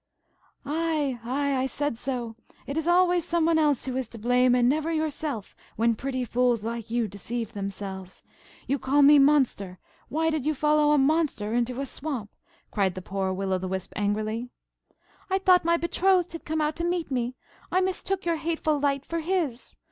"Ay, ay, I said so! It is always some one else who is to blame, and never yourself, when pretty fools like you deceive themselves. You call me 'monster'–why did you follow a 'monster' into a swamp?" cried the poor Will o' the Wisp angrily. "I thought my betrothed had come out to meet me. I mistook your hateful light for his.